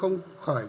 chúng ta đã làm được